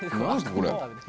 これ。